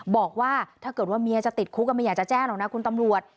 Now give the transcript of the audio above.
บอกว่าถ้าเกิดว่าเมียจะติดคุกก็ไม่อยากจะแจ้งหรอกนะคุณตำรวจ